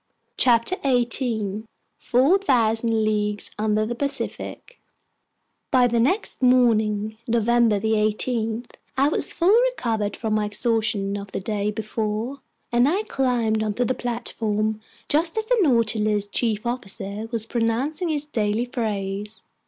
CHAPTER 18 Four Thousand Leagues Under the Pacific BY THE NEXT MORNING, November 18, I was fully recovered from my exhaustion of the day before, and I climbed onto the platform just as the Nautilus's chief officer was pronouncing his daily phrase.